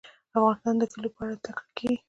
افغانستان کې د کلیو په اړه زده کړه کېږي.